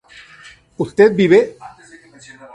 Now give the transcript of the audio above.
¿usted vive?